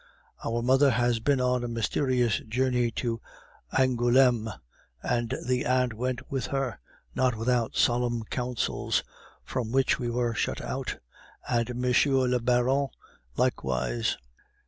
Our mother has been on a mysterious journey to Angouleme, and the aunt went with her, not without solemn councils, from which we were shut out, and M. le Baron likewise.